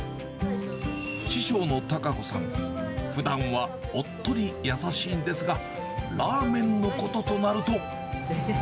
師匠の多賀子さん、ふだんはおっとり優しいんですが、ラーメンのこととなると。